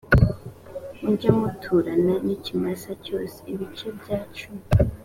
mujye muturana n ikimasa cyose ibice bya cumi